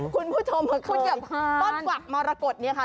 คุณผู้ชมเหมือนคุณอย่างต้นกวัดมรกฏเนี่ยค่ะ